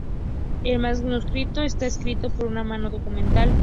Es manuscrito está escrito por una mano documental.